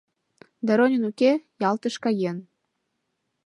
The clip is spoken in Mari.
Доронин уке, Ялтыш каен.